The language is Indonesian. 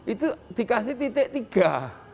itu dikasih titik tiga